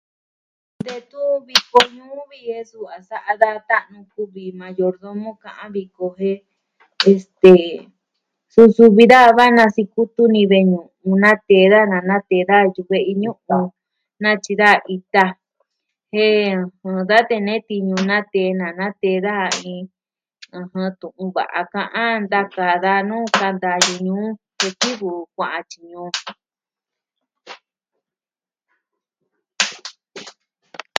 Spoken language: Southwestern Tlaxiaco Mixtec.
Detun viko ñuu vi e suu a sa'a da ta'nu kuvi mayordomo ka'an viko jen... este... suu suvi daa va nasikutu ni ve'i ñuu una tee daa nana tee daa yukuen iin ñu'un. Natyi da ita jen da tee nee tiñu natee na natee daja, ɨɨn... ɨjɨn... Tu'un va'a ka'an ntaka da nuu, kanta ñuu jen kivɨ kua'an tyi ñuu.